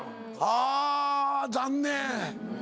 あぁ残念。